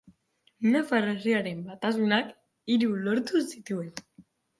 Nafar Herriaren Batasunak hiru lortu zituen.